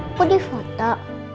aku di foto